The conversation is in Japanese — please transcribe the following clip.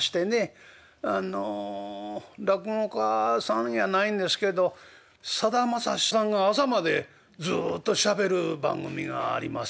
あの落語家さんやないんですけどさだまさしさんが朝までずっとしゃべる番組がありますね。